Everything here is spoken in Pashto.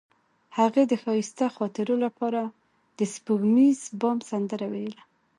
هغې د ښایسته خاطرو لپاره د سپوږمیز بام سندره ویله.